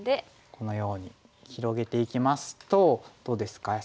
このように広げていきますとどうですか安田さん。